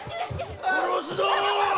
殺すぞっ‼